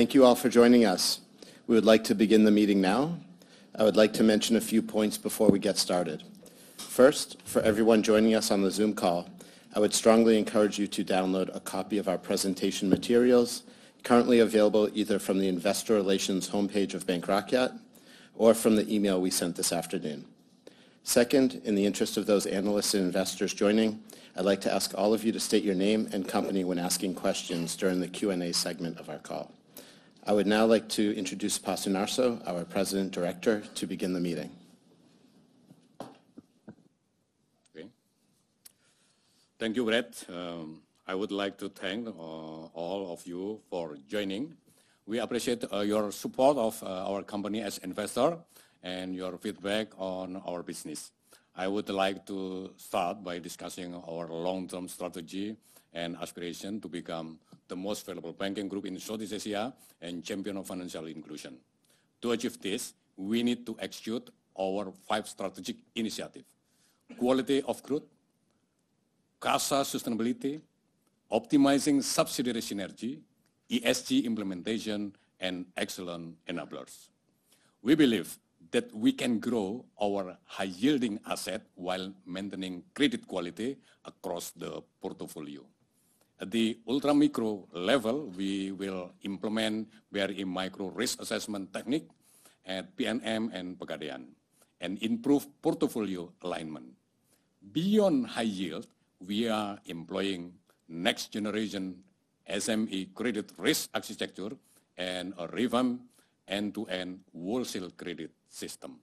Thank you all for joining us. We would like to begin the meeting now. I would like to mention a few points before we get started. First, for everyone joining us on the Zoom call, I would strongly encourage you to download a copy of our presentation materials currently available either from the investor relations homepage of Bank Rakyat or from the email we sent this afternoon. Second, in the interest of those analysts and investors joining, I'd like to ask all of you to state your name and company when asking questions during the Q&A segment of our call. I would now like to introduce Pak Sunarso, our President Director, to begin the meeting. Okay. Thank you, Brett. I would like to thank all of you for joining. We appreciate your support of our company as investor and your feedback on our business. I would like to start by discussing our long-term strategy and aspiration to become the most valuable banking group in Southeast Asia and champion of financial inclusion. To achieve this, we need to execute our five strategic initiative. Quality of growth, CASA Sustainability, Optimizing Subsidiary Synergy, ESG implementation, and excellent enablers. We believe that we can grow our high-yielding asset while maintaining credit quality across the portfolio. At the Ultra-Micro level, we will implement varied Micro risk assessment technique at PNM and Pegadaian, and improve portfolio alignment. Beyond high yield, we are employing next generation SME credit risk architecture and a revamp end-to-end wholesale credit system.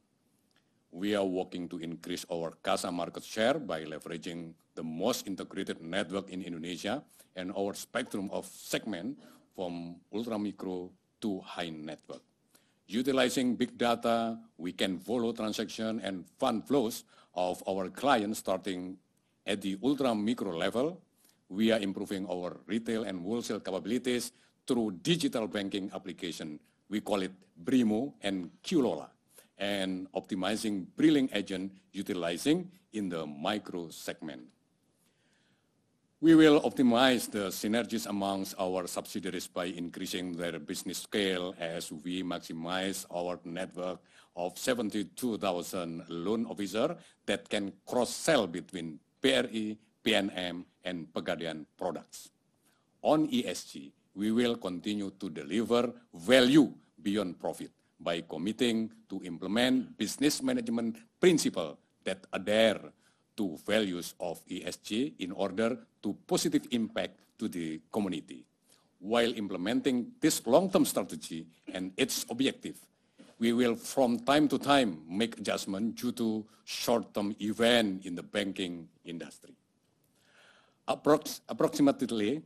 We are working to increase our CASA market share by leveraging the most integrated network in Indonesia and our spectrum of segment from Ultra-Micro to high net worth. Utilizing big data, we can follow transaction and fund flows of our clients starting at the Ultra-Micro level. We are improving our retail and wholesale capabilities through digital banking application. We call it BRImo and QLola, and optimizing billing agent utilizing in the Micro segment. We will optimize the synergies amongst our subsidiaries by increasing their business scale as we maximize our network of 72,000 loan officer that can cross-sell between BRI, PNM, and Pegadaian products. On ESG, we will continue to deliver value beyond profit by committing to implement business management principle that adhere to values of ESG in order to positive impact to the community. While implementing this long-term strategy and its objective, we will from time to time make adjustment due to short-term event in the banking industry. Approximately,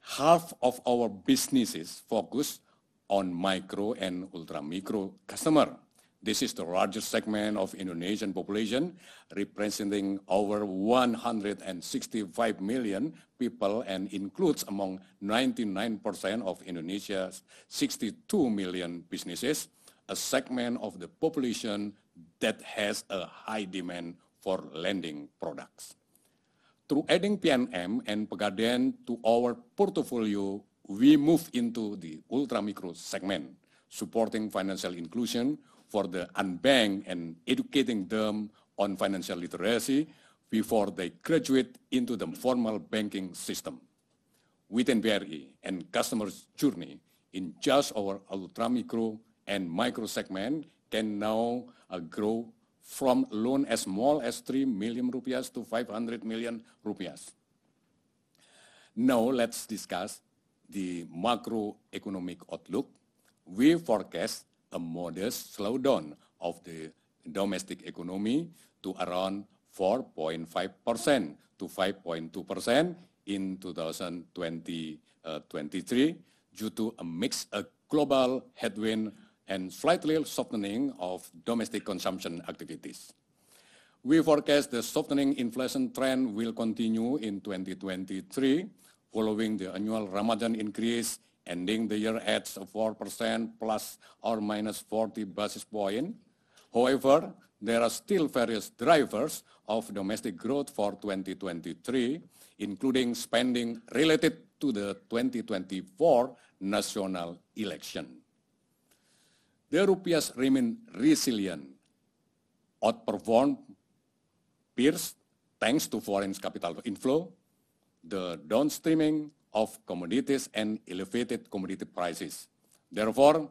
half of our businesses focus on Micro and Ultra-Micro customer. This is the largest segment of Indonesian population, representing over 165 million people and includes among 99% of Indonesia's 62 million businesses, a segment of the population that has a high demand for lending products. Through adding PNM and Pegadaian to our portfolio, we move into the Ultra-Micro segment, supporting financial inclusion for the unbanked and educating them on financial literacy before they graduate into the formal banking system. Within BRI and customers' journey in just our Ultra-Micro and Micro segment can now grow from loan as small as 3 million rupiah to 500 million rupiah. Let's discuss the macroeconomic outlook. We forecast a modest slowdown of the domestic economy to around 4.5% to 5.2% in 2023 due to a mix of global headwind and slightly softening of domestic consumption activities. We forecast the softening inflation trend will continue in 2023 following the annual Ramadan increase, ending the year at 4% ±40 basis point. There are still various drivers of domestic growth for 2023, including spending related to the 2024 national election. The rupiah has remained resilient, outperformed peers thanks to foreign capital inflow, the downstreaming of commodities, and elevated commodity prices. Bank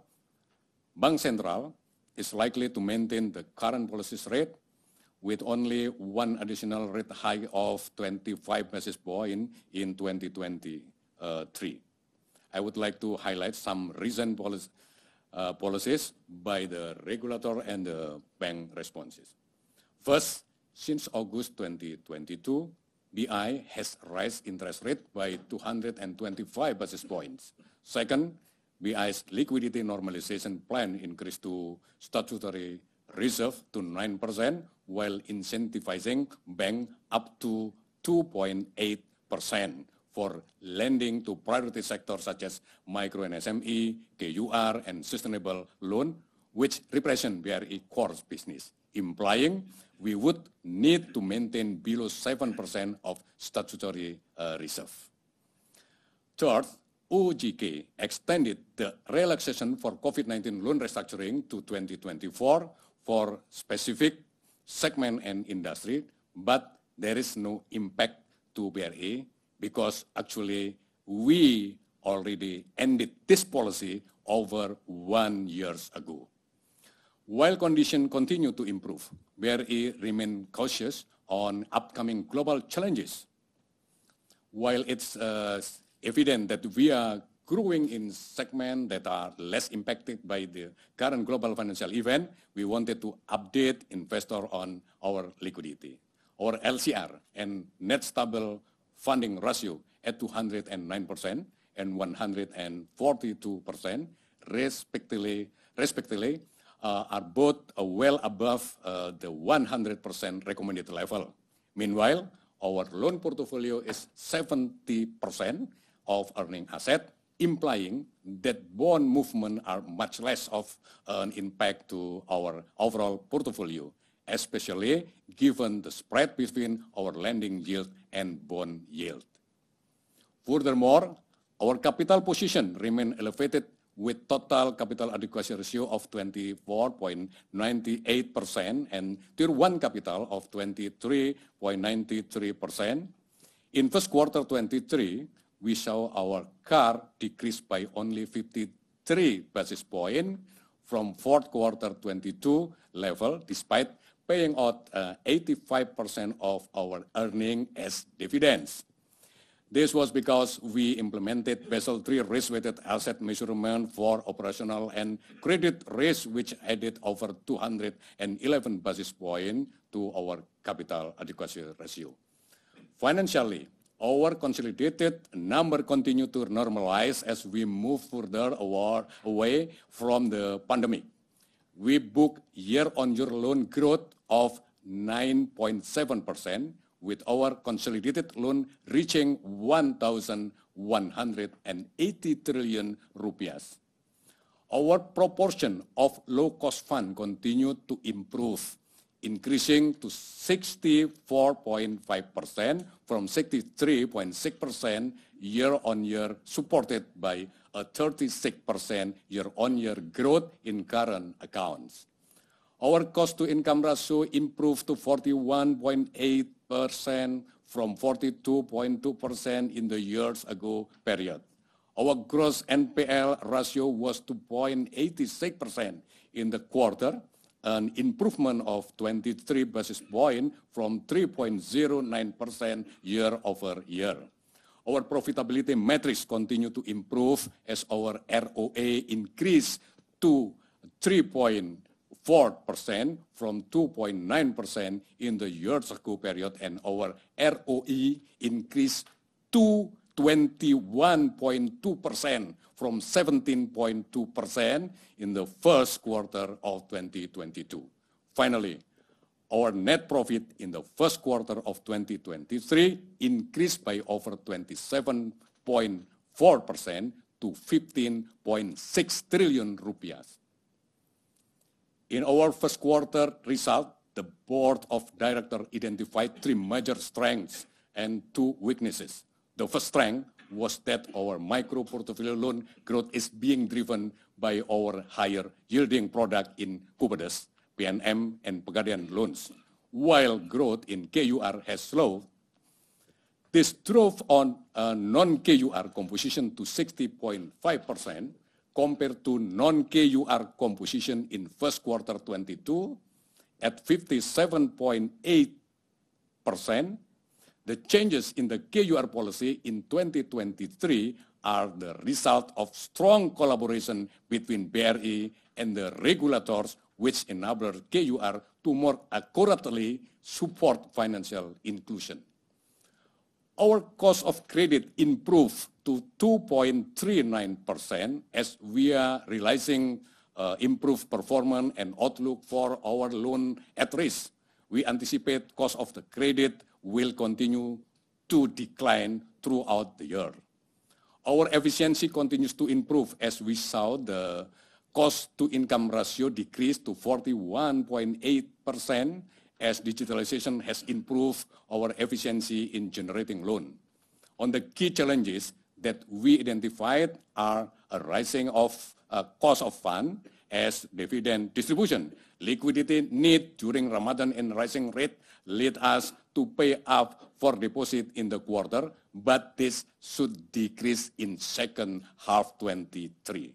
Indonesia is likely to maintain the current policies rate with only one additional rate hike of 25 basis point in 2023. I would like to highlight some recent policies by the regulator and the bank responses. First, since August 2022, BI has raised interest rate by 225 basis points. Second, BI's liquidity normalization plan increased to statutory reserve to 9% while incentivizing bank up to 2.8% for lending to priority sectors such as Micro and SME, KUR, and sustainable loan. Which represent BRI core business, implying we would need to maintain below 7% of statutory reserve. Third, OJK extended the relaxation for COVID-19 loan restructuring to 2024 for specific segment and industry, but there is no impact to BRI, because actually we already ended this policy over 1 years ago. While condition continue to improve, BRI remain cautious on upcoming global challenges. While it's evident that we are growing in segment that are less impacted by the current global financial event, we wanted to update investor on our liquidity. Our LCR and Net Stable Funding Ratio at 209% and 142%, respectively, are both well above the 100% recommended level. Meanwhile, our loan portfolio is 70% of earning asset, implying that bond movement are much less of an impact to our overall portfolio, especially given the spread between our lending yield and bond yield. Furthermore, our capital position remain elevated with total capital adequacy ratio of 24.98% and tier-one capital of 23.93%. In first quarter 2023, we saw our CAR decreased by only 53 basis points from fourth quarter 2022 level, despite paying out 85% of our earning as dividends. This was because we implemented Basel III Risk-Weighted Asset measurement for operational and credit risk, which added over 211 basis points to our capital adequacy ratio. Financially, our consolidated number continue to normalize as we move further away from the pandemic. We booked year-on-year loan growth of 9.7%, with our consolidated loan reaching IDR 1,180 trillion. Our proportion of low-cost fund continued to improve, increasing to 64.5% from 63.6% year-on-year, supported by a 36% year-on-year growth in current accounts. Our cost-to-income ratio improved to 41.8% from 42.2% in the years ago period. Our gross NPL ratio was 2.86% in the quarter, an improvement of 23 basis points from 3.09% year-over-year. Our profitability metrics continue to improve as our ROA increased to 3.4% from 2.9% in the years ago period, and our ROE increased to 21.2% from 17.2% in the first quarter of 2022. Finally, our net profit in the first quarter of 2023 increased by over 27.4% to IDR 15.6 trillion. In our first quarter result, the Board of Directors identified three major strengths and two weaknesses. The first strength was that our Micro portfolio loan growth is being driven by our higher-yielding product in KUPEDES, PNM, and Pegadaian loans. While growth in KUR has slowed, this drove on non-KUR composition to 60.5% compared to non-KUR composition in first quarter 2022 at 57.8%. The changes in the KUR policy in 2023 are the result of strong collaboration between BRI and the regulators, which enable KUR to more accurately support financial inclusion. Our cost of credit improved to 2.39% as we are realizing improved performance and outlook for our loan at risk. We anticipate cost of the credit will continue to decline throughout the year. Our efficiency continues to improve as we saw the cost-to-income ratio decrease to 41.8% as digitalization has improved our efficiency in generating loan. The key challenges that we identified are a rising of a cost of fund as dividend distribution. Liquidity need during Ramadan and rising rate lead us to pay up for deposit in the quarter, but this should decrease in second half 2023.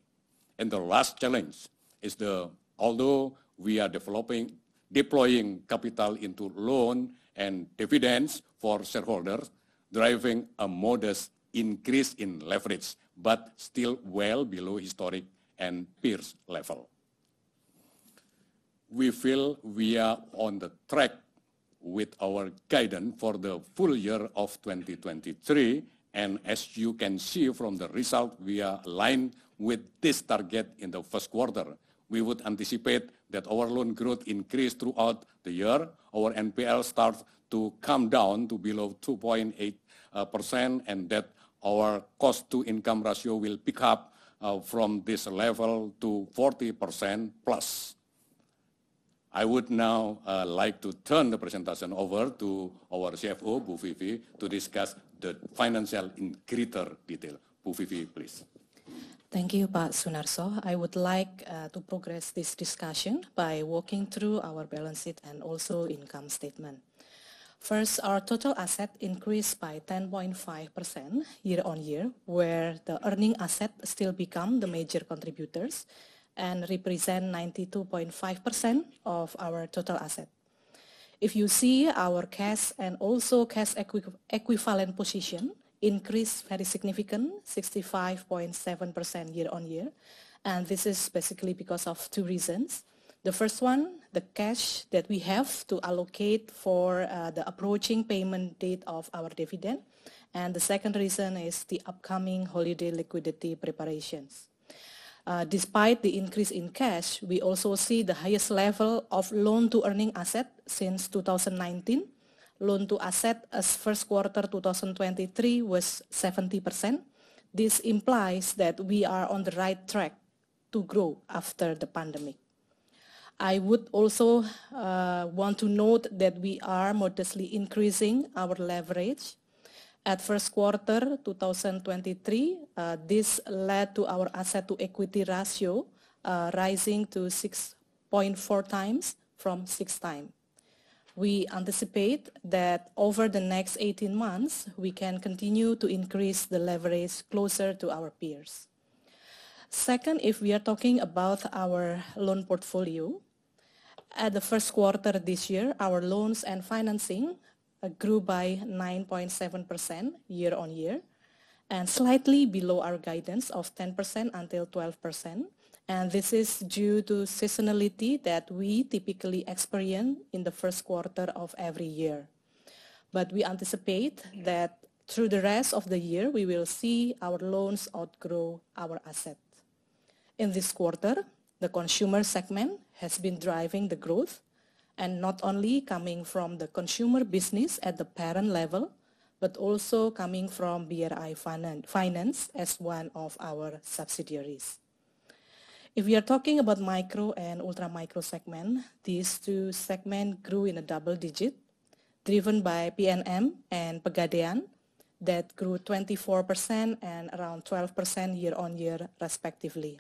The last challenge is the. Although we are deploying capital into loan and dividends for shareholders, driving a modest increase in leverage, but still well below historic and peers level. We feel we are on the track with our guidance for the full year of 2023. As you can see from the result, we are aligned with this target in the first quarter. We would anticipate that our loan growth increase throughout the year. Our NPL starts to come down to below 2.8%, and that our cost-to-income ratio will pick up from this level to 40%+. I would now like to turn the presentation over to our CFO, Bu Vivi, to discuss the financial in greater detail. Bu Vivi, please. Thank you, Pak Sunarso. I would like to progress this discussion by walking through our balance sheet and also income statement. First, our total asset increased by 10.5% year-on-year, where the earning asset still become the major contributors and represent 92.5% of our total asset. If you see our cash and also cash equivalent position increased very significant, 65.7% year-on-year. This is basically because of two reasons. The first one, the cash that we have to allocate for the approaching payment date of our dividend. The second reason is the upcoming holiday liquidity preparations. Despite the increase in cash, we also see the highest level of loan to earning asset since 2019. Loan to asset as 1Q 2023 was 70%. This implies that we are on the right track to grow after the pandemic. I would also want to note that we are modestly increasing our leverage. At 1st quarter 2023, this led to our asset to equity ratio rising to 6.4x from 6x. We anticipate that over the next 18 months, we can continue to increase the leverage closer to our peers. Second, if we are talking about our loan portfolio, at the 1st quarter this year, our loans and financing grew by 9.7% year-on-year, slightly below our guidance of 10% until 12%. This is due to seasonality that we typically experience in the 1st quarter of every year. We anticipate that through the rest of the year, we will see our loans outgrow our asset. In this quarter, the consumer segment has been driving the growth, and not only coming from the consumer business at the parent level, but also coming from BRI Finance as one of our subsidiaries. If we are talking about Micro and ultra Micro segment, these two segment grew in a double digit, driven by PNM and Pegadaian, that grew 24% and around 12% year-on-year respectively.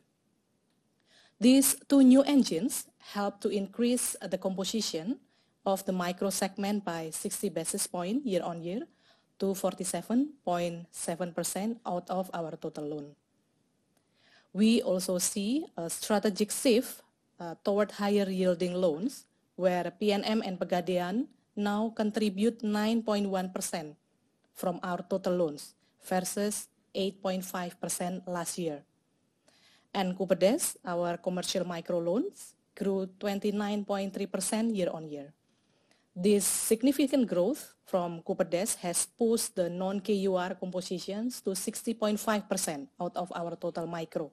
These two new engines help to increase the composition of the Micro segment by 60 basis points year-on-year to 47.7% out of our total loan. We also see a strategic shift toward higher yielding loans, where PNM and Pegadaian now contribute 9.1% from our total loans versus 8.5% last year. KUPEDES, our commercial micro loans, grew 29.3% year-on-year. This significant growth from KUPEDES has pushed the non-KUR compositions to 60.5% out of our total Micro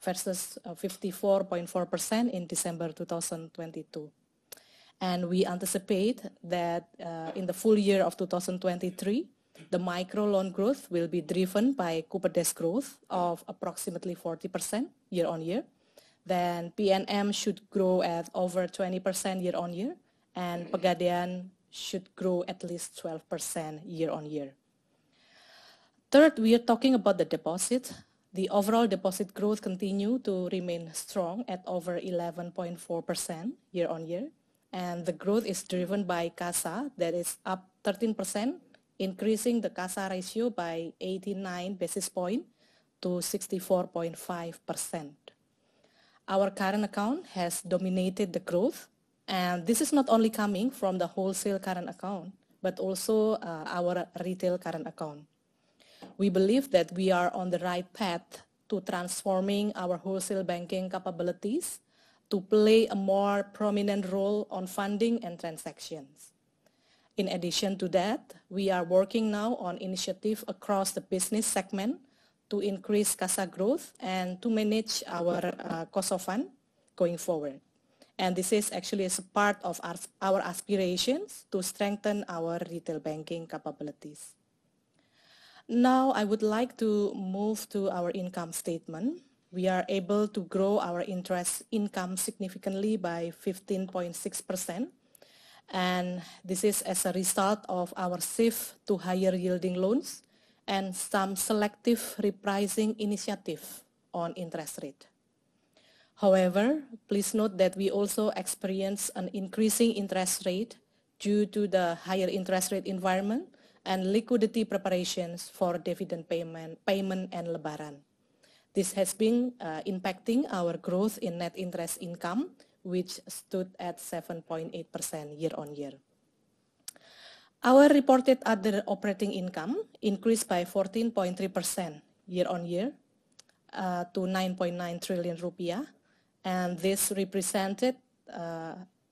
versus 54.4% in December 2022. We anticipate that in the full year of 2023, the Micro loan growth will be driven by KUPEDES growth of approximately 40% year-on-year. PNM should grow at over 20% year-on-year, and Pegadaian should grow at least 12% year-on-year. Third, we are talking about the deposit. The overall deposit growth continue to remain strong at over 11.4% year-on-year. The growth is driven by CASA. That is up 13%, increasing the CASA ratio by 89 basis points to 64.5%. Our current account has dominated the growth, and this is not only coming from the wholesale current account, but also, our retail current account. We believe that we are on the right path to transforming our wholesale banking capabilities to play a more prominent role on funding and transactions. In addition to that, we are working now on initiative across the business segment to increase CASA growth and to manage our, cost of fund going forward. This is actually as a part of our aspirations to strengthen our retail banking capabilities. I would like to move to our income statement. We are able to grow our interest income significantly by 15.6%, and this is as a result of our shift to higher yielding loans and some selective repricing initiative on interest rate. Please note that we also experience an increasing interest rate due to the higher interest rate environment and liquidity preparations for dividend payment and Lebaran. This has been impacting our growth in net interest income, which stood at 7.8% year-on-year. Our reported other operating income increased by 14.3% year-on-year to IDR 9.9 trillion. This represented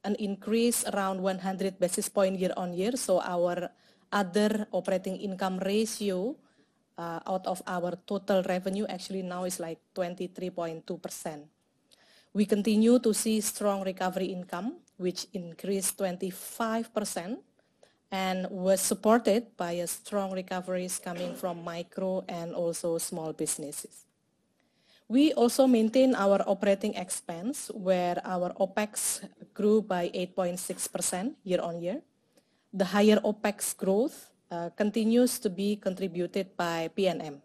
an increase around 100 basis points year-on-year, our other operating income ratio out of our total revenue actually now is, like, 23.2%. We continue to see strong recovery income, which increased 25% and was supported by a strong recoveries coming from Micro and also small businesses. We also maintain our operating expense where our OpEx grew by 8.6% year-on-year. The higher OpEx growth continues to be contributed by PNM.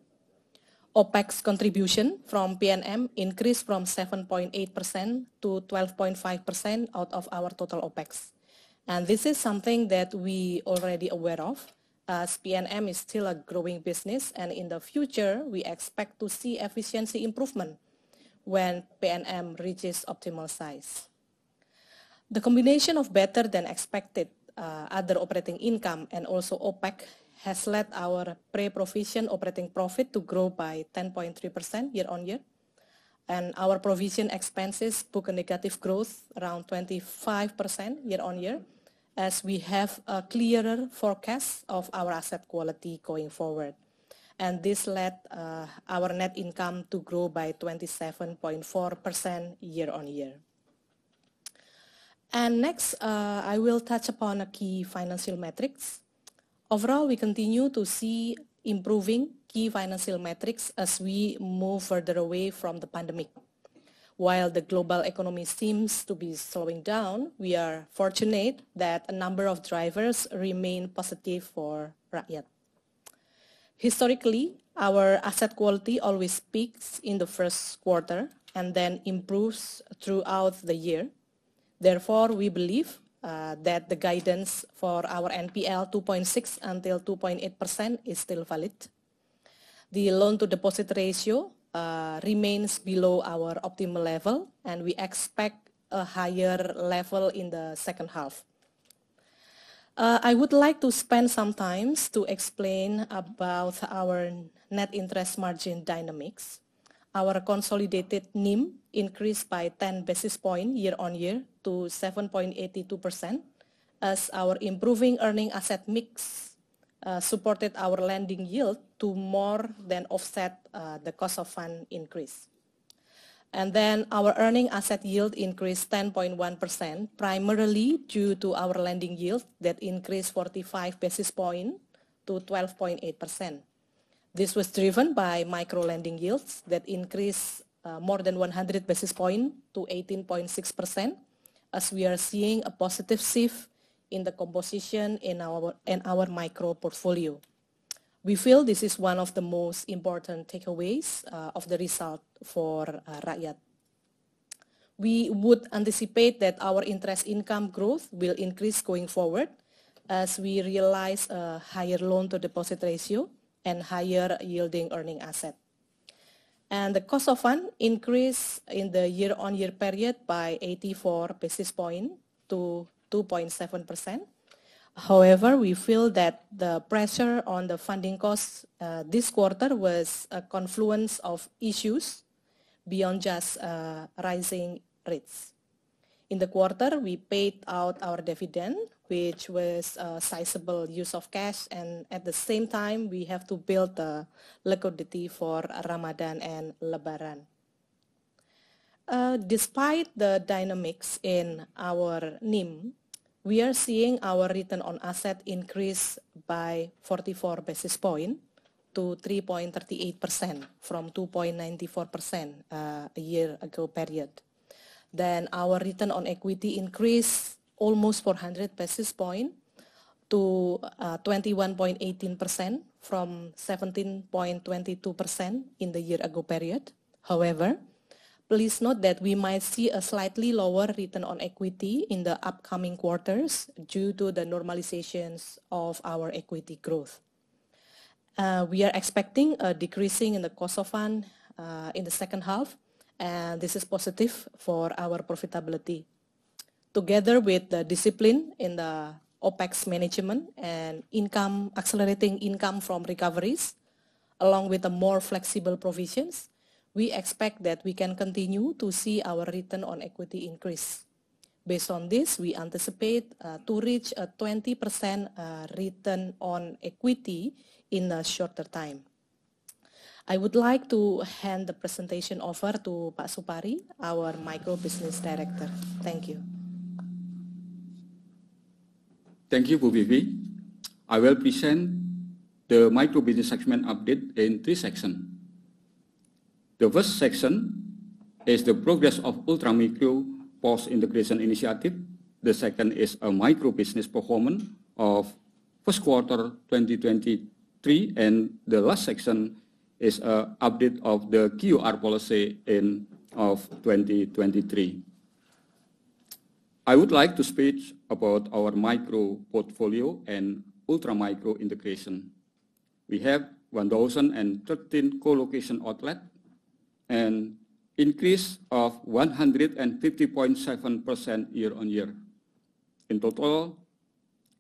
OpEx contribution from PNM increased from 7.8% to 12.5% out of our total OpEx. This is something that we already aware of as PNM is still a growing business, and in the future, we expect to see efficiency improvement when PNM reaches optimal size. The combination of better than expected other operating income and also OpEx has led our pre-provision operating profit to grow by 10.3% year-on-year. Our provision expenses book a negative growth around 25% year-on-year as we have a clearer forecast of our asset quality going forward. This led our net income to grow by 27.4% year-on-year. Next, I will touch upon a key financial metrics. Overall, we continue to see improving key financial metrics as we move further away from the pandemic. While the global economy seems to be slowing down, we are fortunate that a number of drivers remain positive for Rakyat. Historically, our asset quality always peaks in the first quarter and then improves throughout the year. Therefore, we believe that the guidance for our NPL 2.6%-2.8% is still valid. The loan to deposit ratio remains below our optimal level, and we expect a higher level in the second half. I would like to spend some times to explain about our net interest margin dynamics. Our consolidated NIM increased by 10 basis points year-on-year to 7.82% as our improving earning asset mix supported our lending yield to more than offset the cost of fund increase. Our earning asset yield increased 10.1%, primarily due to our lending yield that increased 45 basis points to 12.8%. This was driven by Micro lending yields that increased more than 100 basis points to 18.6% as we are seeing a positive shift in the composition in our, in our Micro portfolio. We feel this is one of the most important takeaways of the result for Rakyat. We would anticipate that our interest income growth will increase going forward as we realize a higher loan to deposit ratio and higher yielding earning asset. The cost of fund increase in the year-on-year period by 84 basis points to 2.7%. We feel that the pressure on the funding costs, this quarter was a confluence of issues beyond just rising rates. In the quarter, we paid out our dividend, which was a sizable use of cash, and at the same time, we have to build the liquidity for Ramadan and Lebaran. Despite the dynamics in our NIM, we are seeing our return on asset increase by 44 basis points to 3.38% from 2.94% a year ago period. Our return on equity increased almost 400 basis points to 21.18% from 17.22% in the year ago period. Please note that we might see a slightly lower return on equity in the upcoming quarters due to the normalizations of our equity growth. We are expecting a decreasing in the cost of fund in the second half. This is positive for our profitability. Together with the discipline in the OpEx management and accelerating income from recoveries, along with the more flexible provisions, we expect that we can continue to see our return on equity increase. Based on this, we anticipate to reach a 20% return on equity in a shorter time. I would like to hand the presentation over to Pak Supari, our Micro Business Director. Thank you. Thank you, Bu Vivi. I will present the Micro business segment update in three sections. The first section is the progress of Ultra Micro Post-Integration Initiative. The second is a Micro business performance of 1st quarter 2023. The last section is a update of the QR policy in of 2023. I would like to speak about our Micro portfolio and Ultra Micro integration. We have 1,013 co-location outlets, an increase of 150.7% year-over-year. In total,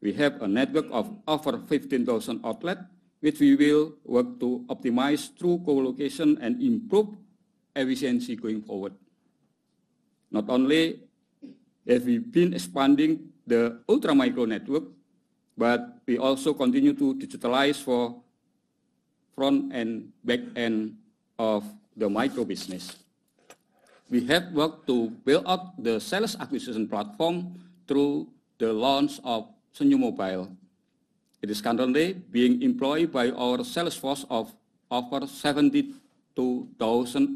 we have a network of over 15,000 outlets, which we will work to optimize through co-location and improve efficiency going forward. Not only have we been expanding the Ultra Micro network, but we also continue to digitalize for front and back end of the Micro business. We have worked to build up the sales acquisition platform through the launch of SenyuM Mobile. It is currently being employed by our sales force of over 72,000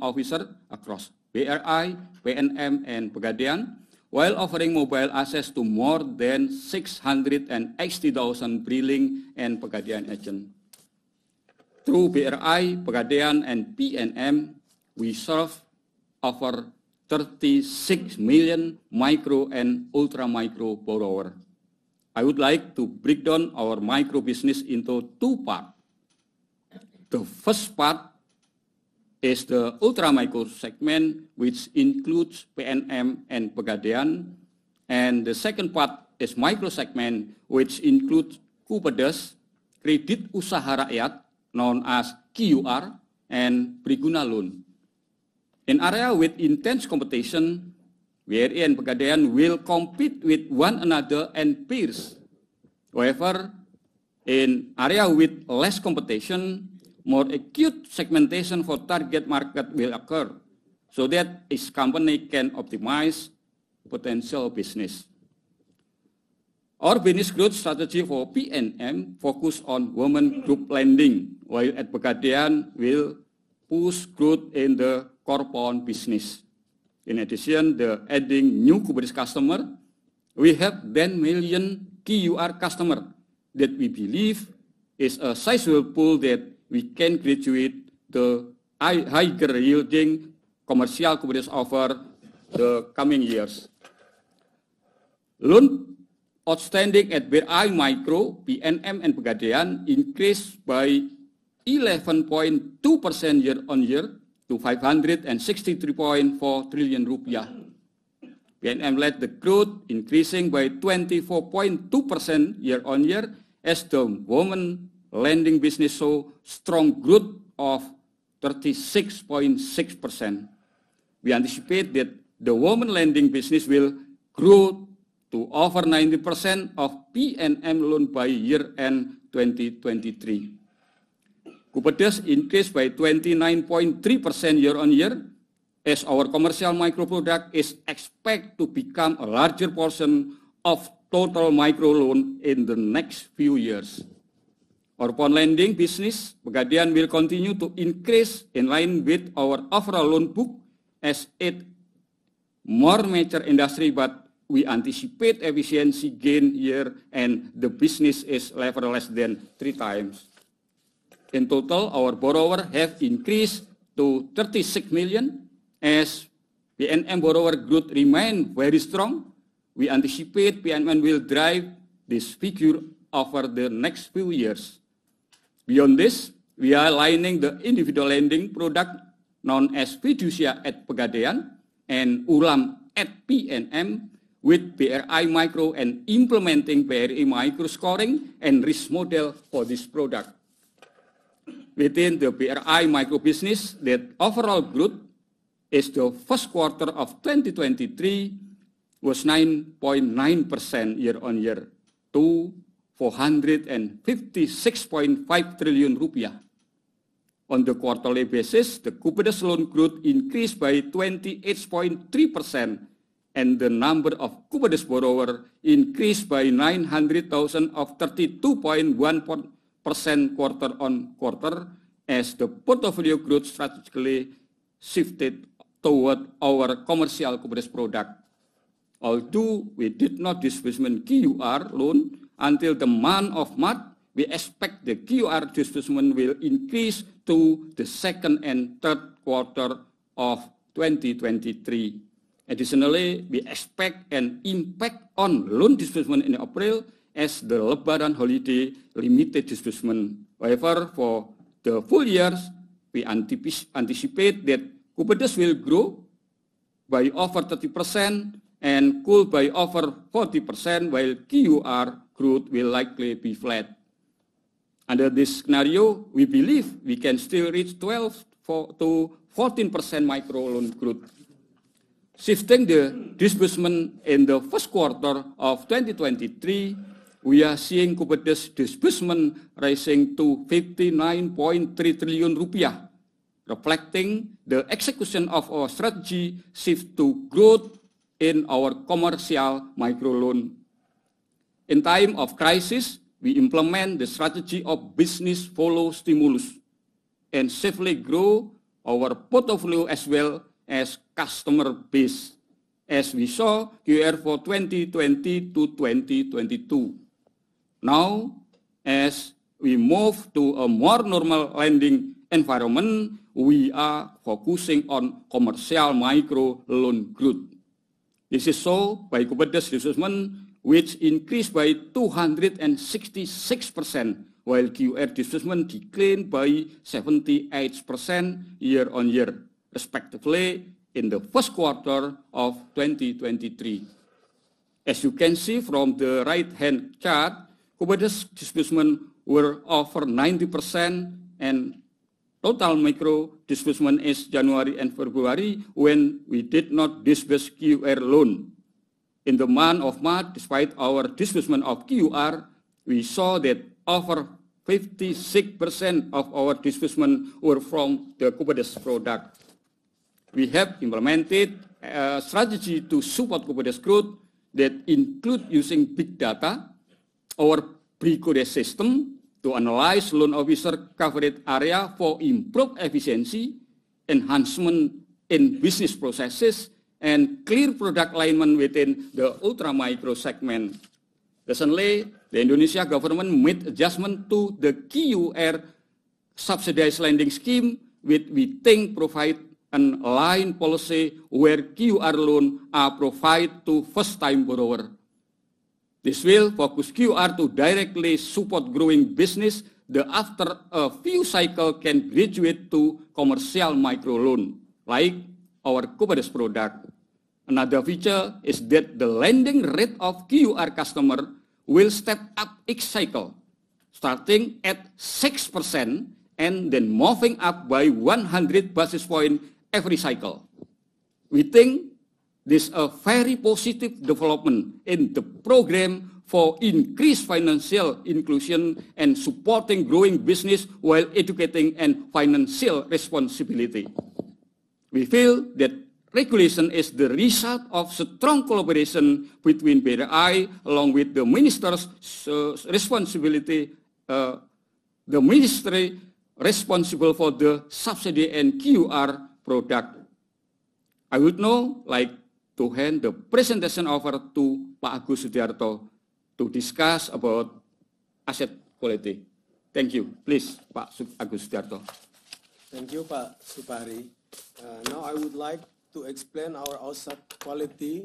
officer across BRI, PNM, and Pegadaian, while offering mobile access to more than 680,000 BRILink and Pegadaian agent. Through BRI, Pegadaian, and PNM, we serve over 36 million Micro and ultra Micro borrower. I would like to break down our Micro business into two part. The first part is the ultra Micro segment, which includes PNM and Pegadaian, and the second part is Micro segment, which includes KUPEDES, Kredit Usaha Rakyat, known as KUR, and Briguna loan. In area with intense competition, where PNM Pegadaian will compete with one another and peers. However, in area with less competition, more acute segmentation for target market will occur, so that each company can optimize potential business. Our business growth strategy for PNM focus on women group lending, while at Pegadaian will push growth in the core pawn business. In addition, the adding new KUPEDES customer, we have 10 million KUR customer that we believe is a sizable pool that we can graduate to high, higher yielding commercial KUPEDES over the coming years. Loan outstanding at BRI Micro, PNM, and Pegadaian increased by 11.2% year-on-year to 563.4 trillion rupiah. PNM led the growth, increasing by 24.2% year-on-year as the woman lending business saw strong growth of 36.6%. We anticipate that the woman lending business will grow to over 90% of PNM loan by year-end 2023. KUPEDES increased by 29.3% year-on-year, as our commercial micro product is expected to become a larger portion of total Micro loan in the next few years. Our pawn lending business, Pegadaian, will continue to increase in line with our overall loan book as it more mature industry, but we anticipate efficiency gain here, and the business is leveraged less than 3x. In total, our borrower have increased to 36 million as PNM borrower growth remain very strong. We anticipate PNM will drive this figure over the next few years. Beyond this, we are aligning the individual lending product known as Fidusia at Pegadaian and ULaMM at PNM with BRI Micro and implementing BRI Micro scoring and risk model for this product. Within the BRI Micro business, the overall growth is the 1st quarter of 2023 was 9.9% year-on-year to 456.5 trillion rupiah. On the quarterly basis, the KUPEDES loan growth increased by 28.3%, and the number of KUPEDES borrower increased by 900,000 of 32.1% quarter-on-quarter as the portfolio growth strategically shifted toward our commercial KUPEDES product. Although we did not disbursement KUR loan until the month of March, we expect the KUR disbursement will increase through the second and third quarter of 2023. Additionally, we expect an impact on loan disbursement in April as the Lebaran holiday limited disbursement. For the full years, we anticipate that KUPEDES will grow by over 30% and could by over 40%, while KUR growth will likely be flat. Under this scenario, we believe we can still reach 12%-14% Micro loan growth. Shifting the disbursement in the first quarter of 2023, we are seeing KUPEDES disbursement rising to 59.3 trillion rupiah, reflecting the execution of our strategy shift to growth in our commercial micro loan. In time of crisis, we implement the strategy of business follow stimulus and safely grow our portfolio as well as customer base, as we saw here for 2020-2022. Now, as we move to a more normal lending environment, we are focusing on commercial micro loan growth. This is shown by KUPEDES disbursement, which increased by 266%, while KUR disbursement declined by 78% year-on-year, respectively, in the first quarter of 2023. As you can see from the right-hand chart, KUPEDES disbursement were over 90% and total Micro disbursement is January and February when we did not disburse KUR loan. In the month of March, despite our disbursement of KUR, we saw that over 56% of our disbursement were from the KUPEDES product. We have implemented a strategy to support KUPEDES growth that include using big data, our geo-coded system to analyze loan officer coverage area for improved efficiency, enhancement in business processes, and clear product alignment within the Ultra-Micro segment. Recently, the Indonesia government made adjustment to the KUR subsidized lending scheme, which we think provide an aligned policy where KUR loan are provided to first-time borrower. This will focus KUR to directly support growing business that after a few cycle can graduate to commercial micro loan, like our KUPEDES product. Another feature is that the lending rate of KUR customer will step up each cycle, starting at 6% and then moving up by 100 basis points every cycle. We think this a very positive development in the program for increased financial inclusion and supporting growing business while educating in financial responsibility. We feel that regulation is the result of strong collaboration between BRI, along with the ministry responsible for the subsidy and KUR product. I would now like to hand the presentation over to Pak Agus Sudiarto to discuss about asset quality. Thank you. Please, Pak Agus Sudiarto. Thank you, Pak Supari. Now I would like to explain our asset quality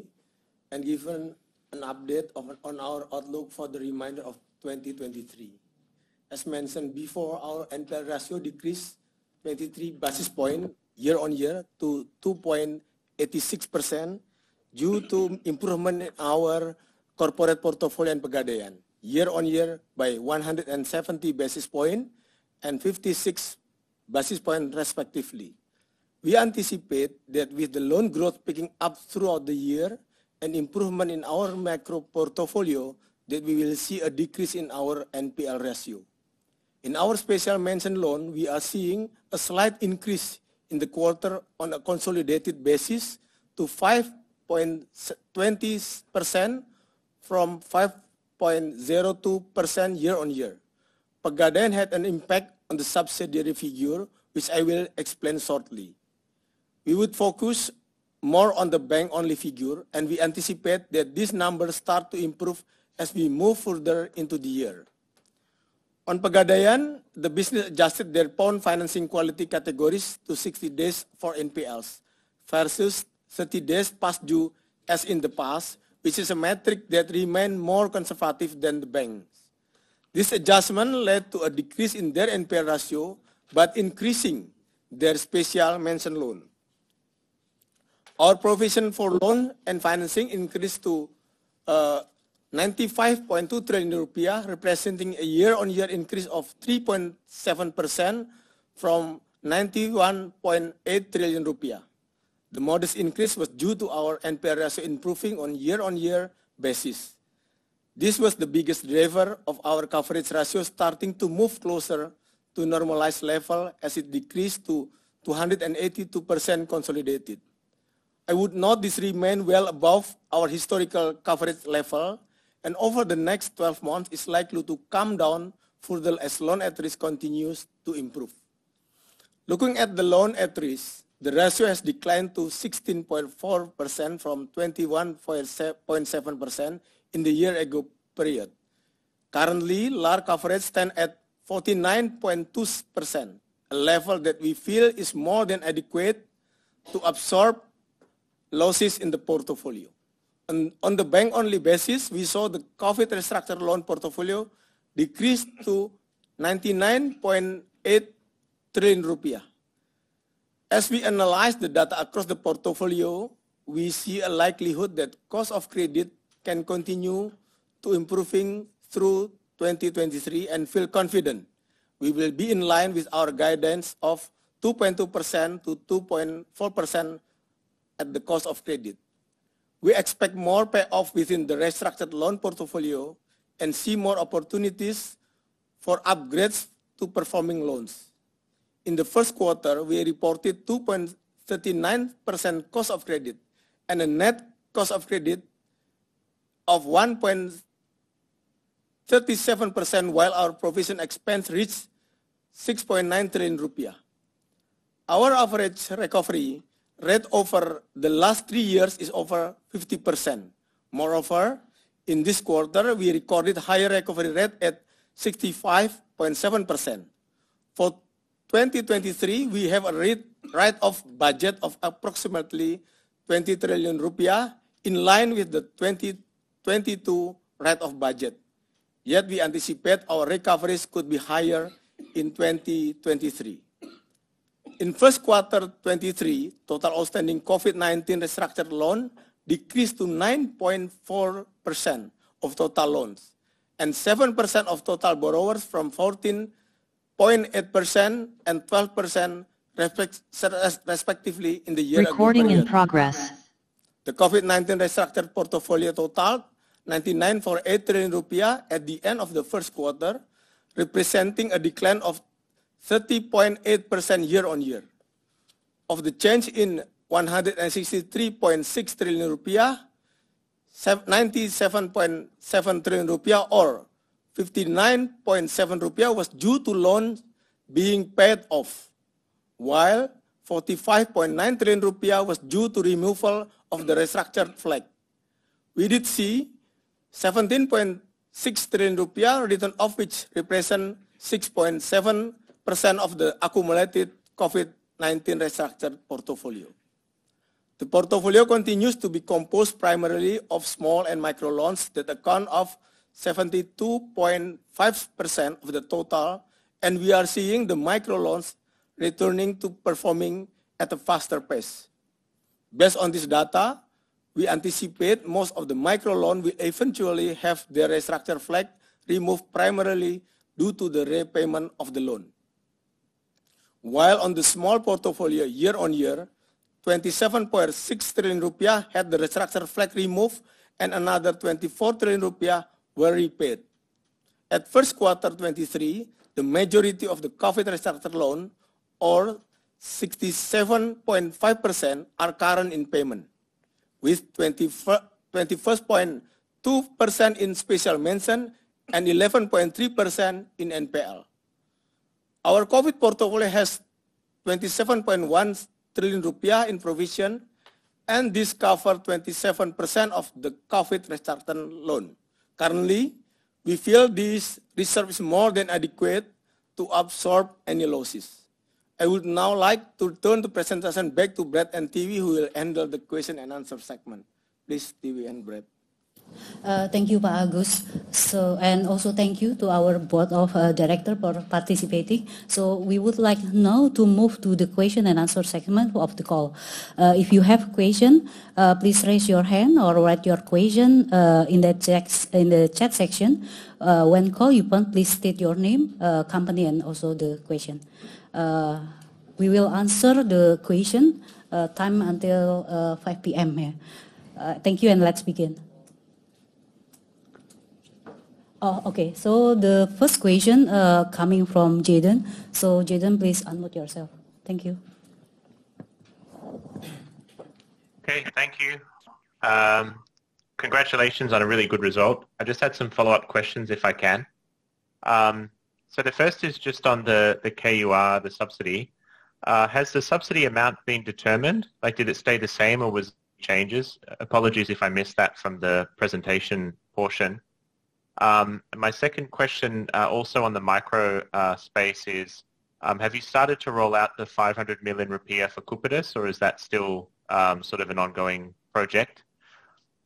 and give an update on our outlook for the remainder of 2023. As mentioned before, our NPL ratio decreased 23 basis points year-on-year to 2.86% due to improvement in our corporate portfolio in Pegadaian, year-on-year by 170 basis points and 56 basis points respectively. We anticipate that with the loan growth picking up throughout the year and improvement in our Micro portfolio, that we will see a decrease in our NPL ratio. In our special mention loan, we are seeing a slight increase in the quarter on a consolidated basis to 5.20% from 5.02% year-on-year. Pegadaian had an impact on the subsidiary figure, which I will explain shortly. We would focus more on the bank-only figure, and we anticipate that these numbers start to improve as we move further into the year. On Pegadaian, the business adjusted their pawn financing quality categories to 60 days for NPLs versus 30 days past due as in the past, which is a metric that remain more conservative than the banks. This adjustment led to a decrease in their NPL ratio, but increasing their special mention loan. Our provision for loan and financing increased to 95.2 trillion rupiah, representing a year-on-year increase of 3.7% from 91.8 trillion rupiah. The modest increase was due to our NPL ratio improving on year-on-year basis. This was the biggest driver of our coverage ratio starting to move closer to normalized level as it decreased to 282% consolidated. I would note this remain well above our historical coverage level, and over the next 12 months is likely to come down further as loan at risk continues to improve. Looking at the loan at risk, the ratio has declined to 16.4% from 21.7% in the year ago period. Currently, LAR coverage stand at 49.2%, a level that we feel is more than adequate to absorb losses in the portfolio. On the bank-only basis, we saw the COVID restructured loan portfolio decrease to 99.8 trillion rupiah. As we analyze the data across the portfolio, we see a likelihood that cost of credit can continue to improving through 2023 and feel confident we will be in line with our guidance of 2.2%-2.4% at the cost of credit. We expect more payoff within the restructured loan portfolio and see more opportunities for upgrades to performing loans. In the first quarter, we reported 2.39% cost of credit and a net cost of credit of 1.37% while our provision expense reached 6.9 trillion rupiah. Our average recovery rate over the last three years is over 50%. Moreover, in this quarter, we recorded higher recovery rate at 65.7%. For 2023, we have a write-off budget of approximately 20 trillion rupiah, in line with the 2022 write-off budget. We anticipate our recoveries could be higher in 2023. In 1st quarter 2023, total outstanding COVID-19 restructured loan decreased to 9.4% of total loans, and 7% of total borrowers from 14.8% and 12% reflects, respectively in the year ago period. The COVID-19 restructured portfolio totaled 99.8 trillion rupiah at the end of the first quarter, representing a decline of 30.8% year-on-year. Of the change in 163.6 trillion rupiah, 97.7 trillion rupiah or 59.7 rupiah was due to loans being paid off, while 45.9 trillion rupiah was due to removal of the restructured flag. We did see 17.6 trillion rupiah written off, which represent 6.7% of the accumulated COVID-19 restructured portfolio. The portfolio continues to be composed primarily of small and Micro loans that account of 72.5% of the total, and we are seeing the Micro loans returning to performing at a faster pace. Based on this data, we anticipate most of the Micro loan will eventually have their restructure flag removed primarily due to the repayment of the loan. On the small portfolio year-on-year, 27.6 trillion rupiah had the restructure flag removed, and another 24 trillion rupiah were repaid. At 1Q 2023, the majority of the COVID restructured loan, or 67.5%, are current in payment, with 21.2% in special mention and 11.3% in NPL. Our COVID portfolio has 27.1 trillion rupiah in provision, and this cover 27% of the COVID restructured loan. Currently, we feel this reserve is more than adequate to absorb any losses. I would now like to turn the presentation back to Brett and Tivi, who will handle the question and answer segment. Please Tivi and Brett. Thank you, Pak Agus Sudiarto. And also thank you to our board of director for participating. We would like now to move to the question and answer segment of the call. If you have question, please raise your hand or write your question in the checks, in the chat section. When call, you can please state your name, company, and also the question. We will answer the question time until 5:00 P.M. Thank you, and let's begin. Oh, okay. The first question coming from Jayden. Jayden, please unmute yourself. Thank you. Okay. Thank you. Congratulations on a really good result. I just had some follow-up questions if I can. The first is just on the KUR, the subsidy. Has the subsidy amount been determined? Like, did it stay the same or was changes? Apologies if I missed that from the presentation portion. My second question, also on the Micro space is, have you started to roll out the 500 million rupiah for KUPEDES, or is that still sort of an ongoing project?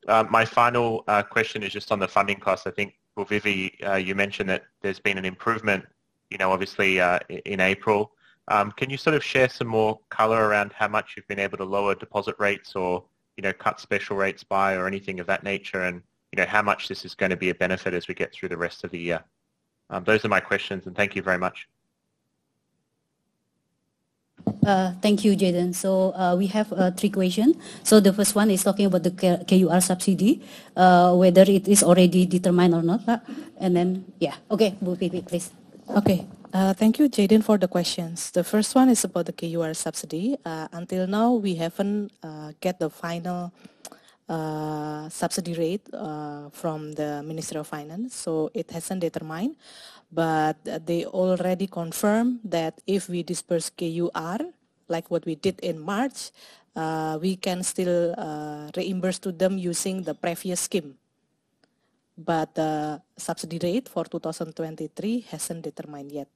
My final question is just on the funding cost. I think, Bu Vivi, you mentioned that there's been an improvement, you know, obviously, in April. Can you sort of share some more color around how much you've been able to lower deposit rates or, you know, cut special rates by or anything of that nature? You know, how much this is gonna be a benefit as we get through the rest of the year? Those are my questions, and thank you very much. Thank you, Jayden. We have three question. The first one is talking about the KUR subsidy, whether it is already determined or not, Pak? Yeah. Okay. Bu Vivi, please. Okay. Thank you, Jayden, for the questions. The first one is about the KUR subsidy. Until now, we haven't get the final subsidy rate from the Ministry of Finance, so it hasn't determined. They already confirmed that if we disperse KUR, like what we did in March, we can still reimburse to them using the previous scheme. Subsidy rate for 2023 hasn't determined yet.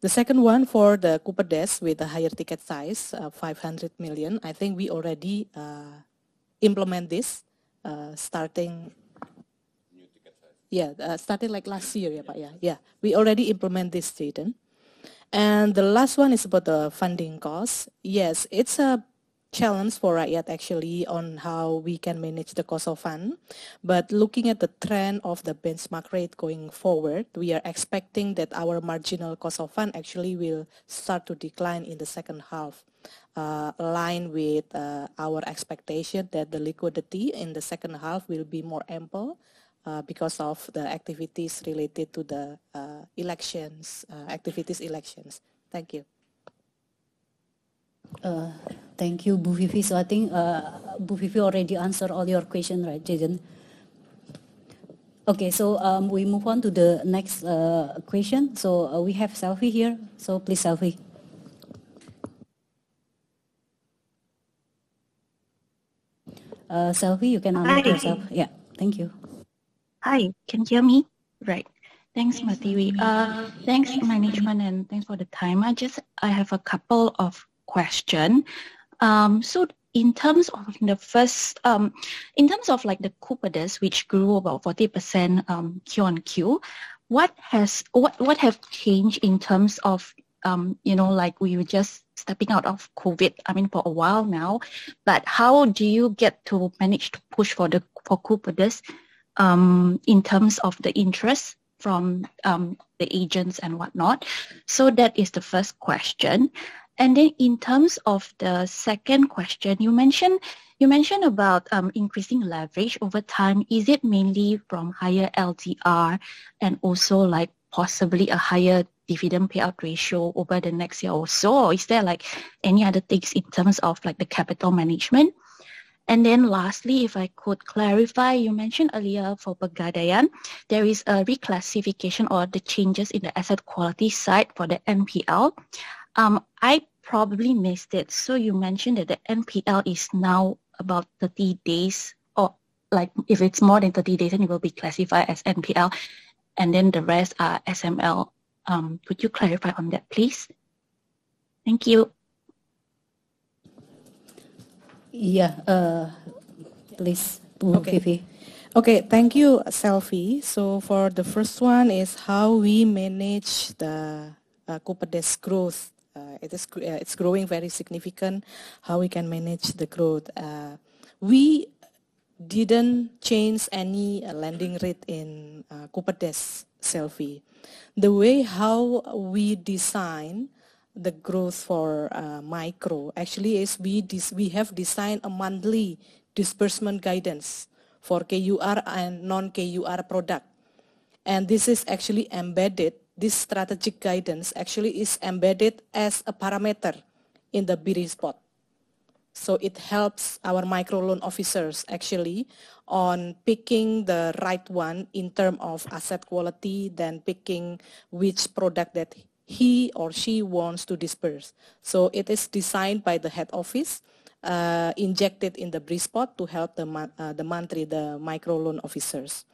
The second one for the KUPEDES with a higher ticket size of 500 million, I think we already implement this starting- New ticket size. Starting like last year, Pak. We already implement this, Jayden. The last one is about the funding cost. Yes, it's a challenge for Rakyat actually on how we can manage the cost of fund. Looking at the trend of the benchmark rate going forward, we are expecting that our marginal cost of fund actually will start to decline in the second half, aligned with our expectation that the liquidity in the second half will be more ample because of the activities related to the elections activities. Thank you. Thank you, Bu Vivi. I think, Bu Vivi already answered all your question, right, Jayden? Okay. We move on to the next question. We have Selvi here. Please, Selvi. Selvi, you can unmute yourself. Hi. Yeah. Thank you. Hi. Can you hear me? Right. Thanks, Mathiri. Thanks management, and thanks for the time. I have a couple of question. In terms of the first, in terms of like the KUPEDES, which grew about 40%, Q on Q, what have changed in terms of, you know, like we were just stepping out of COVID, I mean, for a while now, but how do you get to manage to push for the, for KUPEDES, in terms of the interest from the agents and whatnot? That is the first question. In terms of the second question, you mentioned about increasing leverage over time. Is it mainly from higher LDR and also like possibly a higher dividend payout ratio over the next year or so? Is there like any other things in terms of like the capital management? Lastly, if I could clarify, you mentioned earlier for Pegadaian, there is a reclassification or the changes in the asset quality side for the NPL. I probably missed it. You mentioned that the NPL is now about 30 days or like if it's more than 30 days, it will be classified as NPL, the rest are SML. Could you clarify on that, please? Thank you. Yeah, please, Bu Vivi. Okay. Thank you, Selvi. For the first one is how we manage the KUPEDES growth. It's growing very significant. How we can manage the growth. We didn't change any lending rate in KUPEDES, Selvi. The way how we design the growth for Micro actually is we have designed a monthly disbursement guidance for KUR and non-KUR product. This is actually embedded, this strategic guidance actually is embedded as a parameter in the BRISPOT. It helps our Micro loan officers actually on picking the right one in term of asset quality, then picking which product that he or she wants to disperse. It is designed by the head office, injected in the BRISPOT to help the mantri, the Micro loan officers.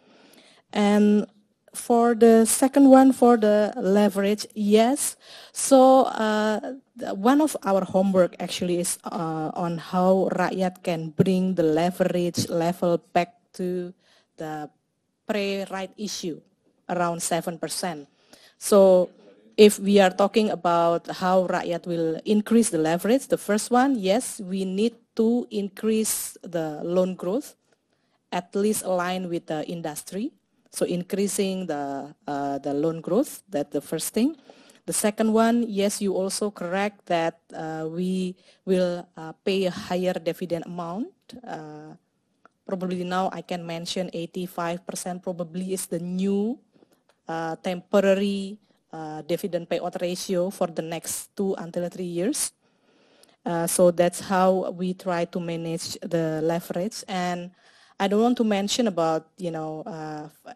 For the second one, for the leverage, yes. One of our homework actually is on how Rakyat can bring the leverage level back to the pre-right issue, around 7%. If we are talking about how Rakyat will increase the leverage, the first one, yes, we need to increase the loan growth at least align with the industry. Increasing the loan growth, that the first thing. The second one, yes, you also correct that, we will pay a higher dividend amount. Probably now I can mention 85% probably is the new, temporary, dividend payout ratio for the next 2 until 3 years. That's how we try to manage the leverage. I don't want to mention about, you know,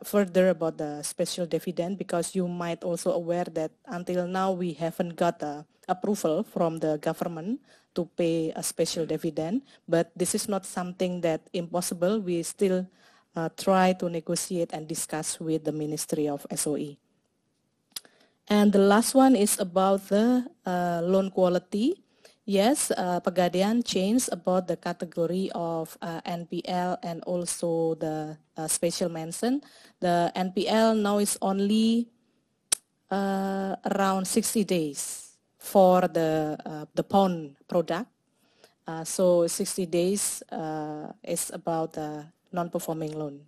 further about the special dividend because you might also aware that until now we haven't got approval from the government to pay a special dividend, but this is not something that impossible. We still try to negotiate and discuss with the Ministry of SOE. The last one is about the loan quality. Yes, Pegadaian changed about the category of NPL and also the special mention. The NPL now is only around 60 days for the pawn product. So 60 days is about non-performing loan.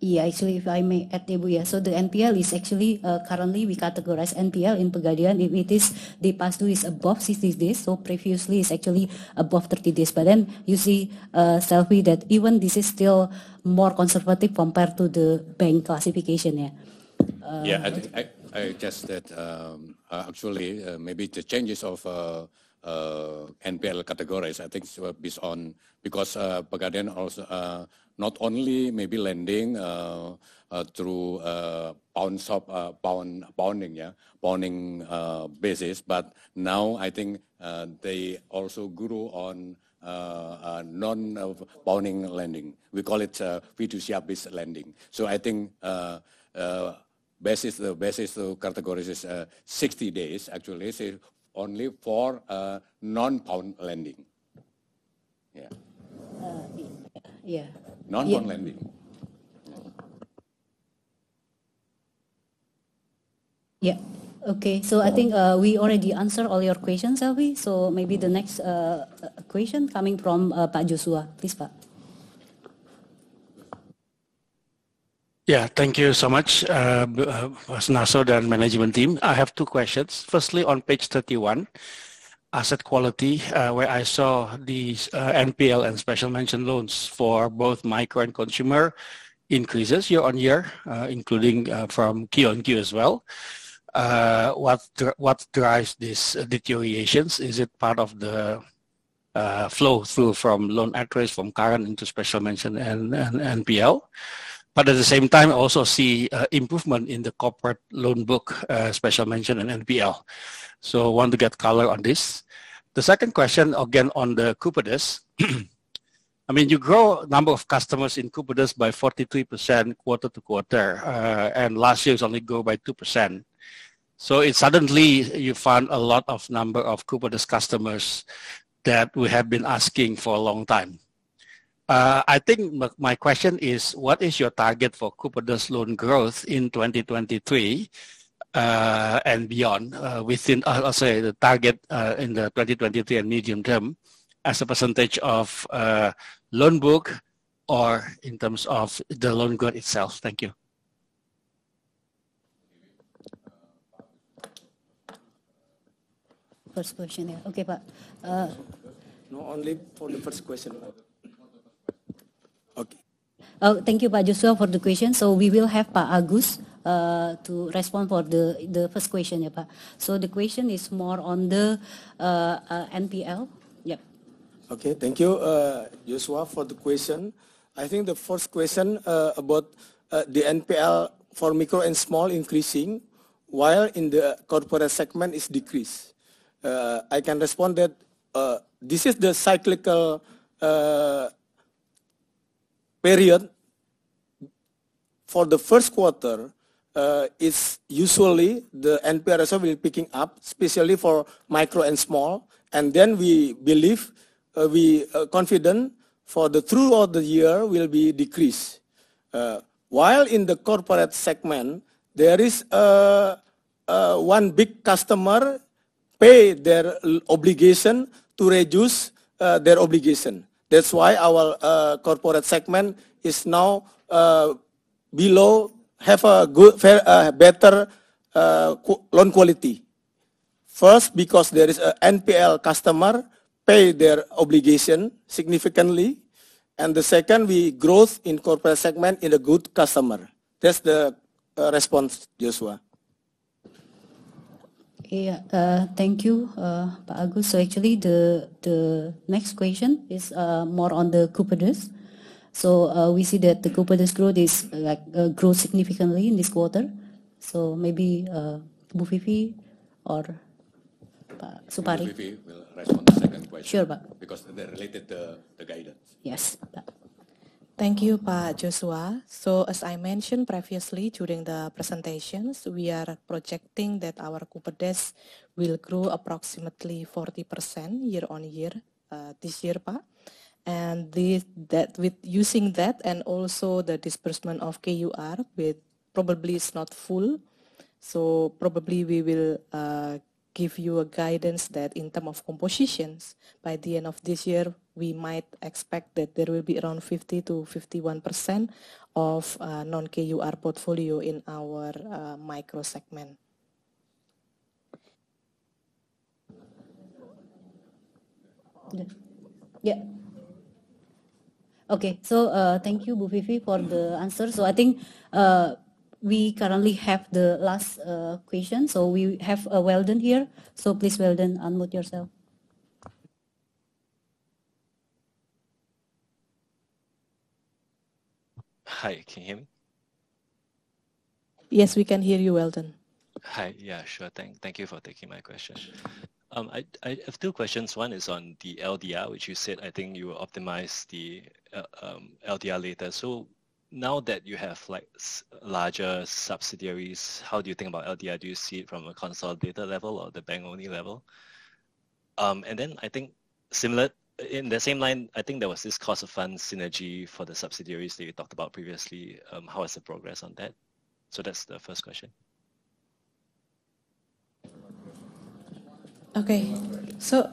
Actually, if I may add, Vivi. The NPL is actually, currently we categorize NPL in Pegadaian. If it is, the past due is above 60 days, previously it's actually above 30 days. You see, Selvi, that even this is still more conservative compared to the bank classification. Yeah. I guess that actually maybe the changes of NPL categories, I think so based on... Because Pegadaian also not only maybe lending through pawnshop pawning basis, but now I think they also grow on non-pawning lending. We call it PNM-based lending. I think the basis to categorize this 60 days actually is only for non-pawn lending. Yeah. Yeah. Non-pawn lending. Yeah. Okay. I think we already answered all your questions, Selvi. Maybe the next question coming from Pak Joshua. Please, Pak. Yeah. Thank you so much, Sunarso and management team. I have two questions. Firstly, on page 31, asset quality, where I saw these NPL and special mention loans for both Micro and consumer increases year-on-year, including from Q on Q as well. What drives these deteriorations? Is it part of the flow-through from loan at-risk from current into special mention and NPL? At the same time, also see improvement in the corporate loan book, special mention in NPL. Want to get color on this. The second question, again, on the KUPEDES. I mean, you grow number of customers in KUPEDES by 43% quarter-to-quarter, and last year it was only grow by 2%. It suddenly you found a lot of number of KUPEDES customers that we have been asking for a long time. I think my question is: What is your target for KUPEDES loan growth in 2023, and beyond, within, I'll say, the target, in the 2023 and medium term as a percentage of, loan book or in terms of the loan growth itself? Thank you. First question, yeah. Okay, Pak. No, only for the first question. Okay. Thank you, Pak Joshua, for the question. We will have Pak Agus to respond for the first question, yeah, Pak. The question is more on the NPL. Yeah. Thank you, Joshua, for the question. I think the first question about the NPL for Micro and small increasing, while in the corporate segment it's decreased. I can respond that this is the cyclical period. For the first quarter, it's usually the NPL reserve is picking up, especially for Micro and small, and then we believe we are confident for the throughout the year will be decreased. While in the corporate segment, there is one big customer pay their obligation to reduce their obligation. That's why our corporate segment is now have a good, fair, better loan quality. First, because there is a NPL customer pay their obligation significantly, and the second, we growth in corporate segment in a good customer. That's the response, Joshua. Thank you, Pak Agus. The next question is more on the KUPEDES. We see that the KUPEDES growth is like grow significantly in this quarter. Bu Vivi or Pak Supari. Bu Vivi will respond to the second question. Sure, Pak.... because they're related the guidance. Yes, Pak. Thank you, Pak Joshua. As I mentioned previously during the presentations, we are projecting that our KUPEDES will grow approximately 40% year-on-year this year, Pak. With using that and also the disbursement of KUR with probably is not full. Probably we will give you a guidance that in term of compositions, by the end of this year, we might expect that there will be around 50%-51% of non-KUR portfolio in our Micro segment. Yeah. Yeah. Okay. Thank you, Bu Vivi, for the answer. I think we currently have the last question. We have Weldon here. Please, Weldon, unmute yourself. Hi. Can you hear me? Yes, we can hear you, Weldon. Hi. Yeah, sure. Thank you for taking my question. I have two questions. One is on the LDR, which you said I think you will optimize the LDR later. Now that you have like larger subsidiaries, how do you think about LDR? Do you see it from a consolidated level or the bank-only level? In the same line, I think there was this cost of funds synergy for the subsidiaries that you talked about previously. How is the progress on that? That's the first question. Okay.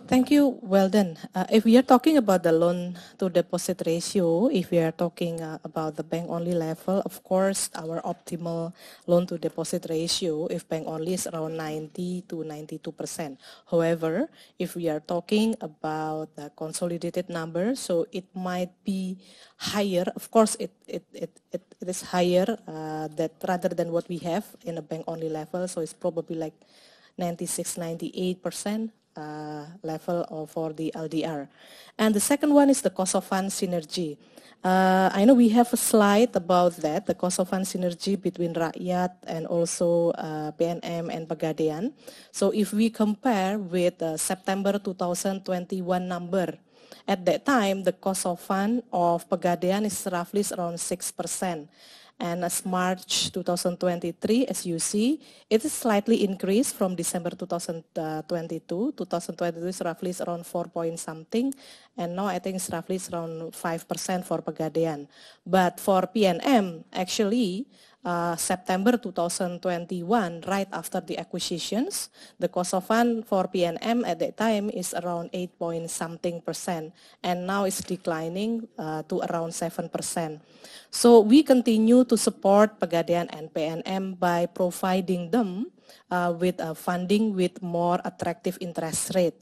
Thank you, Weldon. If we are talking about the loan-to-deposit ratio, if we are talking about the bank-only level, of course, our optimal loan-to-deposit ratio, if bank only, is around 90%-92%. However, if we are talking about the consolidated number, it might be higher. Of course, it is higher that rather than what we have in a bank-only level. It's probably like 96%, 98% for the LDR. The second one is the cost of funds synergy. I know we have a slide about that, the cost of funds synergy between Rakyat and also PNM and Pegadaian. If we compare with September 2021 number, at that time, the cost of fund of Pegadaian is roughly around 6%. As March 2023, as you see, it is slightly increased from December 2022. 2022 is roughly around 4 point something. Now I think it's roughly around 5% for Pegadaian. For PNM, actually, September 2021, right after the acquisitions, the cost of fund for PNM at that time is around 8 point something%, and now it's declining to around 7%. We continue to support Pegadaian and PNM by providing them with funding with more attractive interest rate.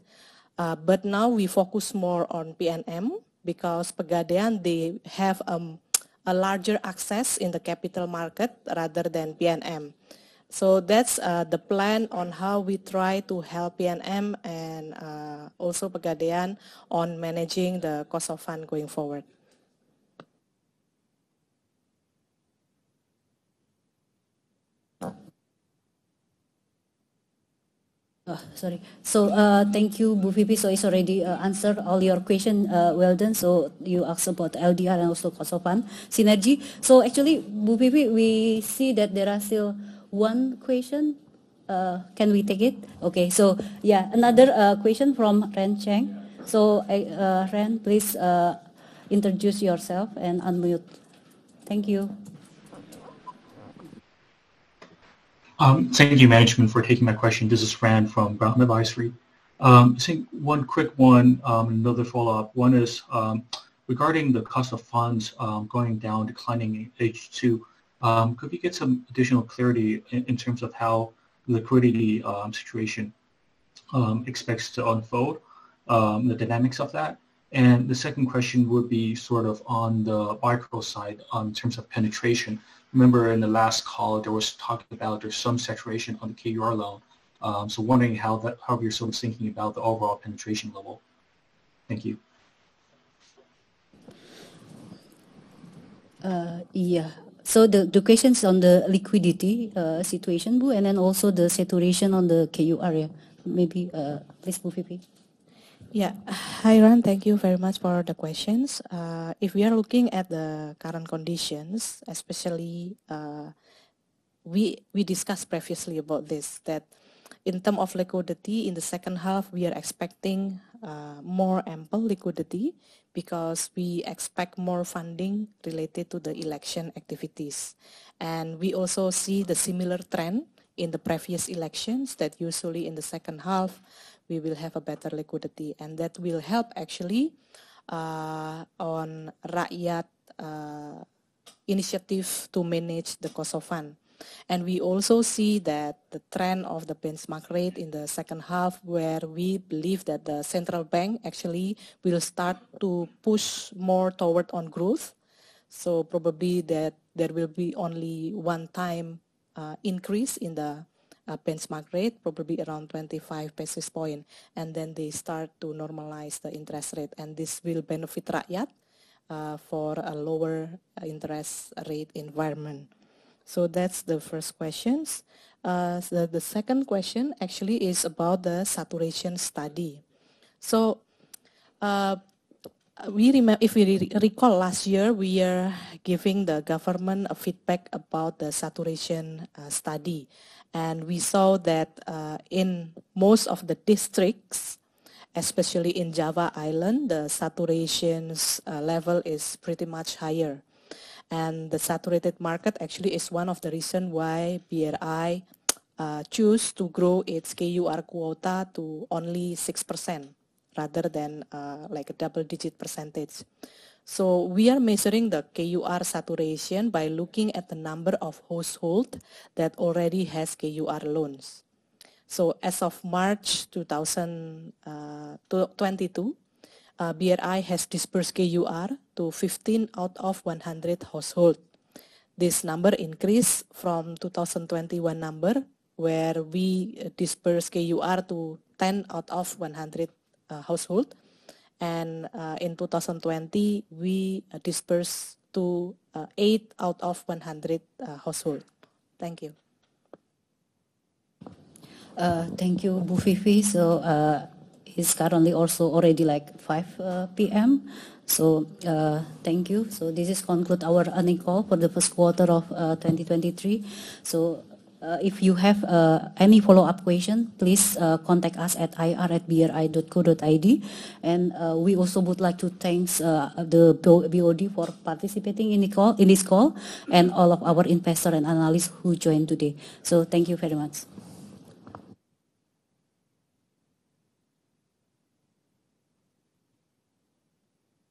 Now we focus more on PNM because Pegadaian, they have a larger access in the capital market rather than PNM. That's the plan on how we try to help PNM and also Pegadaian on managing the cost of fund going forward. Sorry. Thank you, Bu Vivi. It's already answered all your question, well done. You asked about LDR and also cost of fund synergy. Actually, Bu Vivi, we see that there are still one question. Can we take it? Okay. Yeah, another question from Ran Cheng. Ran, please introduce yourself and unmute. Thank you. Thank you management for taking my question. This is Ran from Brown Advisory. Just one quick one, another follow-up. One is, regarding the cost of funds, going down, declining in H2, could we get some additional clarity in terms of how the liquidity situation expects to unfold, the dynamics of that? The second question would be sort of on the Micro side, in terms of penetration. Remember in the last call, there was talk about there's some saturation on the KUR loan, so wondering how you're sort of thinking about the overall penetration level. Thank you. Yeah. The questions on the liquidity situation, Bu, and then also the saturation on the KUR area. Maybe, please, Bu Vivi. Yeah. Hi Ran, thank you very much for the questions. If we are looking at the current conditions, especially, we discussed previously about this, that in term of liquidity in the second half, we are expecting more ample liquidity because we expect more funding related to the election activities. We also see the similar trend in the previous elections that usually in the second half we will have a better liquidity. That will help actually on Rakyat initiative to manage the cost of fund. We also see that the trend of the benchmark rate in the second half where we believe that the central bank actually will start to push more toward on growth. Probably that there will be only one time increase in the benchmark rate, probably around 25 basis point, and then they start to normalize the interest rate, and this will benefit Rakyat for a lower interest rate environment. That's the first questions. The second question actually is about the saturation study. If we recall last year, we are giving the government a feedback about the saturation study. We saw that in most of the districts, especially in Java Island, the saturations level is pretty much higher. The saturated market actually is one of the reason why BRI choose to grow its KUR quota to only 6% rather than like a double-digit percentage. We are measuring the KUR saturation by looking at the number of household that already has KUR loans. As of March 20, 2022, BRI has dispersed KUR to 15 out of 100 household. This number increased from 2021 number, where we dispersed KUR to 10 out of 100 household. In 2020, we dispersed to 8 out of 100 household. Thank you. Thank you, Bu Vivi. It's currently also already like 5:00 P.M., so thank you. This is conclude our earnings call for the first quarter of 2023. If you have any follow-up question, please contact us at ir@bri.co.id. We also would like to thank the BOD for participating in the call, in this call, and all of our investors and analysts who joined today. Thank you very much.